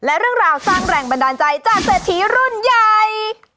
และเรื่องราวสร้างแรงบันดาลใจจากเศรษฐีรุ่นใหญ่